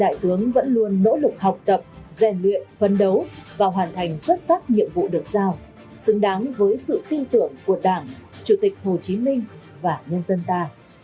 đại tướng vẫn luôn nỗ lực học tập rèn luyện phấn đấu và hoàn thành xuất sắc nhiệm vụ được giao xứng đáng với sự tin tưởng của đảng chủ tịch hồ chí minh và nhân dân ta